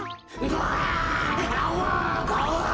うわ！